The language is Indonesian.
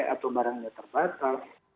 atau barangnya terbatas